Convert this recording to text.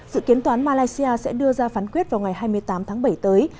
dự kiến toán malaysia sẽ đưa ra phán quyết vào ngày hai mươi tám tháng bảy tới